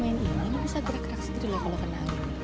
ini bisa gerak gerak sendiri kalau kenal